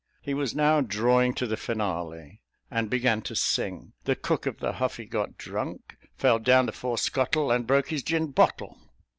He was now drawing to the finale, and began to sing, "The cook of the huffy got drank, Fell down the fore scuttle, and Broke his gin bottle."